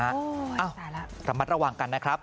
โอ้ยตายแล้วเอ้าระมัดระหว่างกันนะครับ